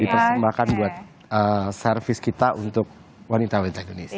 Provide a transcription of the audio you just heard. dipersembahkan buat service kita untuk wanita wanita indonesia